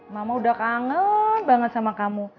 mama udah kangen banget sama kamu